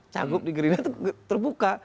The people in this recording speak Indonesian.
cagup di gerindra itu terbuka